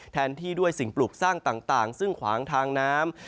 แทนที่ด้วยสิ่งปลูกสร้างต่างซึ่งขวางทางน้ำ